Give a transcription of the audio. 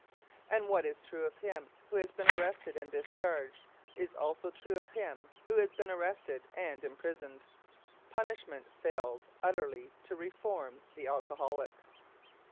And what is true of him who has been arrested and discharged is also true of him who has been arrested and imprisoned. Punishment fails utterly to "reform" the alcoholic.